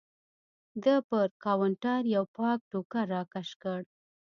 ده پر کاونټر یو پاک ټوکر راکش کړ.